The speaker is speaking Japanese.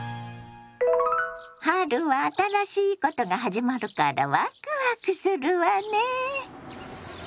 春は新しいことが始まるからワクワクするわね。